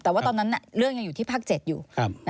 แต่ว่าตอนนั้นเรื่องยังอยู่ที่ภาค๗อยู่